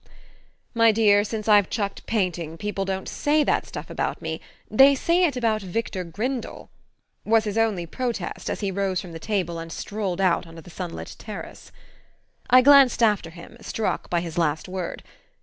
"My dear, since I've chucked painting people don't say that stuff about me they say it about Victor Grindle," was his only protest, as he rose from the table and strolled out onto the sunlit terrace. I glanced after him, struck by his last word.